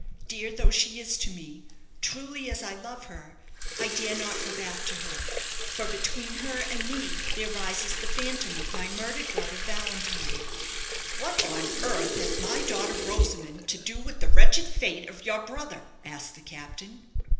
Dear though she is to me truly as I love her I dare not go back to her; for between her and me there rises the phantom of my murdered brother Valentine!" "What on earth has my daughter Rosamond to do with the wretched fate of your brother?" asked the captain.